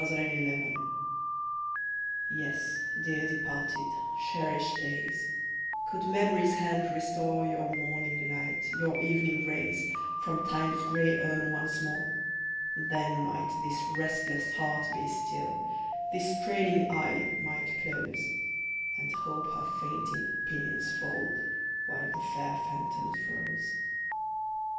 DEPARTED DAYS YES, dear departed, cherished days, Could Memory's hand restore Your morning light, your evening rays, From Time's gray urn once more, Then might this restless heart be still, This straining eye might close, And Hope her fainting pinions fold, While the fair phantoms rose.